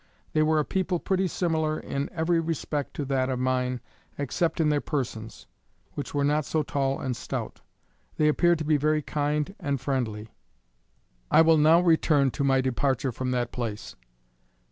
They were a people pretty similar in every respect to that of mine, except in their persons, which were not so tall and stout. They appeared to be very kind and friendly. I will now return to my departure from that place.